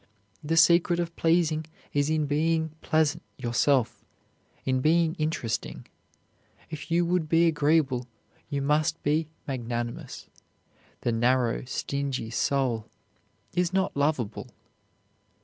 The secret of pleasing is in being pleasant yourself, in being interesting. If you would be agreeable, you must be magnanimous. The narrow, stingy soul is not lovable.